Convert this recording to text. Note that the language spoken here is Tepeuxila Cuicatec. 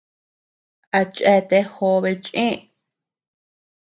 A cheatea jobe chëe.